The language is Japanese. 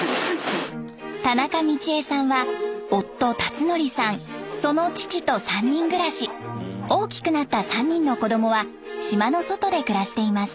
田中美千枝さんは夫辰徳さんその父と３人暮らし。大きくなった３人の子供は島の外で暮らしています。